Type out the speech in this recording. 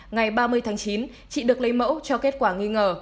ngày ba mươi tháng chín chị được lấy mẫu cho kết quả nghi ngờ